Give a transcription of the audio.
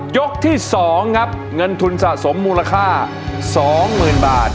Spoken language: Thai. ยกที่สองครับเงินทุนสะสมมูลค่าสองหมื่นบาท